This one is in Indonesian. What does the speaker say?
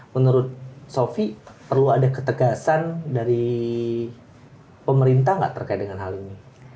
menurut sofi perlu ada ketegasan dari pemerintah nggak terkait dengan hal ini